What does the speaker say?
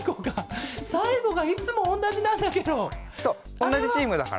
おんなじチームだから。